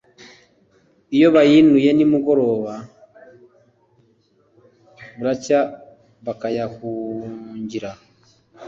iyo bayinuye ni mugoroba, buracya bakayahungira